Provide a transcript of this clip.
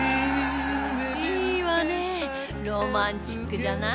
いいわねロマンチックじゃない！